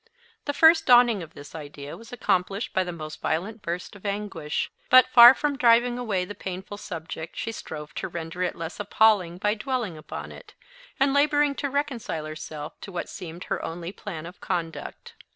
The first dawning of this idea was accompanied by the most violent burst of anguish; but, far from driving away the painful subject, she strove to render it less appalling by dwelling upon it, and labouring to reconcile herself to what seemed her only plan of conduct.